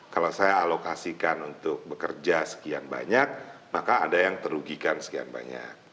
kalau saya alokasikan untuk bekerja sekian banyak maka ada yang terugikan sekian banyak